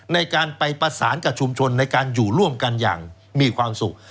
ในการไปประสานกับชุมชนในการอยู่ร่วมกันอย่างมีความสุข